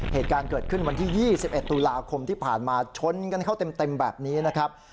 เหตุการณ์เกิดขึ้นวันที่๒๑ตุลาคมที่ผ่านมาชนกันเข้าเต็มแบบนี้นะครับ